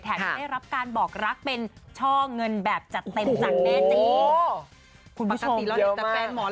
แถมให้ได้รับการบอกรักเป็นช่องเงินแบบจะเต็มจังแน่จริง